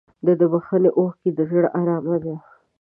د بښنې اوښکې د زړه ارامي ده.